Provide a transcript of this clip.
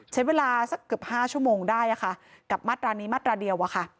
ใช้เวลาสักเกือบ๕ชั่วโมงได้กับมาตรานี้มาตราเดียว